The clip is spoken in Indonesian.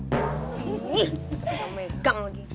ih gak megang lagi